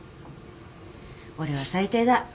「俺は最低だ。